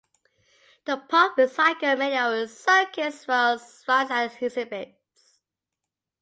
The park recycled many of Circus World's rides and exhibits.